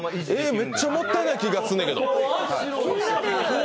めっちゃもったいない気がするんだけど。